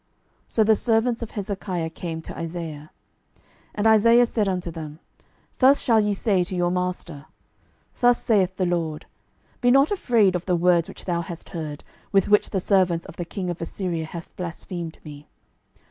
12:019:005 So the servants of king Hezekiah came to Isaiah. 12:019:006 And Isaiah said unto them, Thus shall ye say to your master, Thus saith the LORD, Be not afraid of the words which thou hast heard, with which the servants of the king of Assyria have blasphemed me.